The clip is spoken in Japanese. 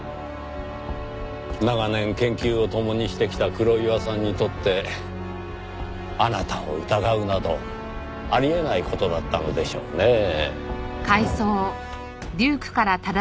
長年研究を共にしてきた黒岩さんにとってあなたを疑うなどあり得ない事だったのでしょうねぇ。